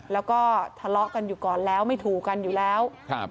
แล้วก็ทะเลาะกันอยู่ก่อนแล้วไม่ถูกกันอยู่แล้วครับ